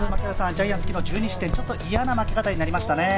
ジャイアンツ、１２失点、嫌な負け方になりましたね。